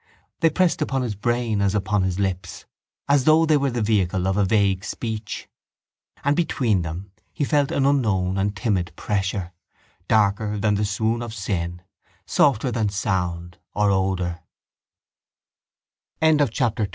They pressed upon his brain as upon his lips as though they were the vehicle of a vague speech; and between them he felt an unknown and timid pressure, darker than the swoon of sin, softer than sound or odour. Chapter III The